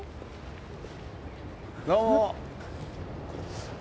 どうも！